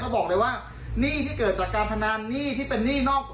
บอกเลยว่าหนี้ที่เกิดจากการพนันหนี้ที่เป็นหนี้นอกตัว